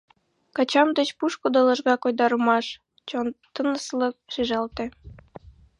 Кочам деч пушкыдо-лыжга койдарымаш, чон тыныслык шижалте.